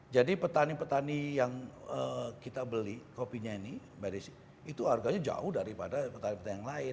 jadi petani petani yang kita beli kopinya ini itu harganya jauh daripada petani petani yang lain